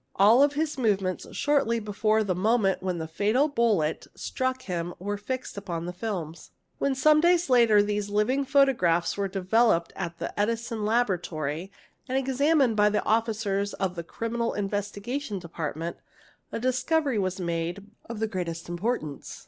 All his movements shortly before — the moment when the fatal bullet struck him were fixed upon the films. — When some days later these living photographs were developed at the Edison Laboratory and examined by officers of the Criminal Investi — gation Department, a discovery was made of the greatest importance.